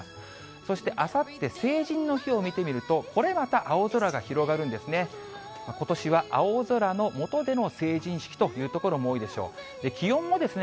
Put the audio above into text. そして、あさって成人の日を見てみると、これまた青空が広がるんですね。